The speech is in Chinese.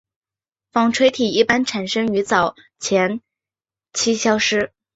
纺锤体一般产生于早前期消失。